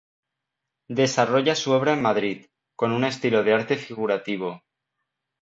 Desarrolla su obra en Madrid, con un estilo de arte figurativo.